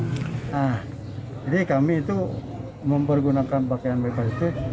jadi kami itu mempergunakan pakaian bebas itu